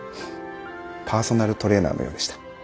パーソナルトレーナーのようでした。